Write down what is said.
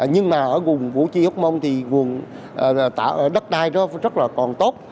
nhưng mà ở vùng củ chi húc mông thì vùng đất đai nó rất là còn tốt